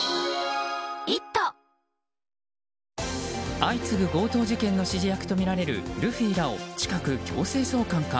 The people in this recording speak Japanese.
相次ぐ強盗事件の指示役とみられるルフィらを近く強制送還か。